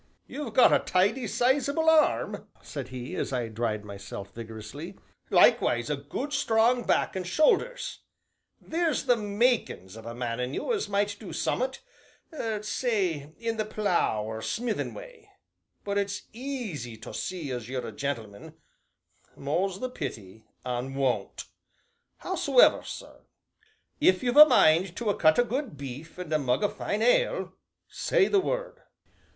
"You've got a tidy, sizeable arm," said he, as I dried myself vigorously, "likewise a good strong back an' shoulders; theer's the makin's of a man in you as might do summat say in the plough or smithin' way, but it's easy to see as you're a gentleman, more's the pity, an' won't. Hows'ever, sir, if you've a mind to a cut o' good beef, an' a mug o' fine ale say the word."